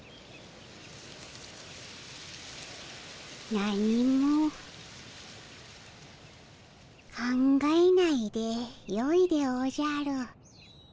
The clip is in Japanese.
何も考えないでよいでおじゃる。